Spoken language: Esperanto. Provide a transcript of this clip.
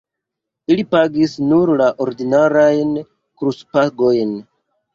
Ili pagis nur la ordinarajn kurspagojn.